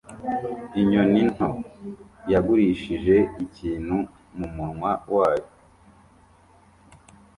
Inyoni nto yagurishije ikintu mumunwa wacyo